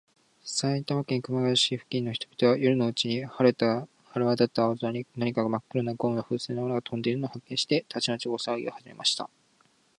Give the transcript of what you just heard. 埼玉県熊谷市付近の人々は、夜のうちに晴れわたった青空に、何かまっ黒なゴム風船のようなものがとんでいるのを発見して、たちまち大さわぎをはじめました。